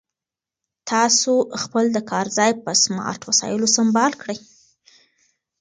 تاسو خپل د کار ځای په سمارټ وسایلو سمبال کړئ.